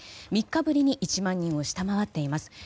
３日ぶりに１万人を下回っています。